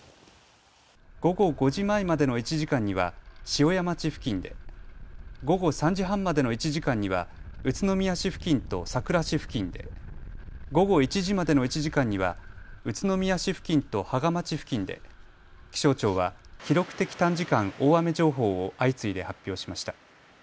午後５時前までの１時間には塩谷町付近で、午後３時半までの１時間には宇都宮市付近とさくら市付近で、午後１時までの１時間には宇都宮市付近と芳賀町付近で、気象庁は記録的短時間大雨情報を相次いで発表しました。